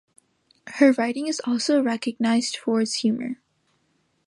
Her writing is also recognised for its humour.